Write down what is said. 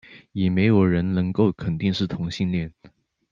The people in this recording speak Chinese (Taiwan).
也沒有人能肯定是同性戀